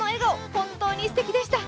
本当にすてきでした。